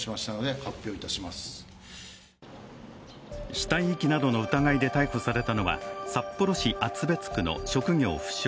死体遺棄などの疑いで逮捕されたのは、札幌市厚別区の職業不詳